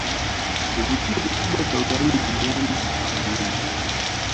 vivutio vikubwa vya utalii duniani Mara nyingi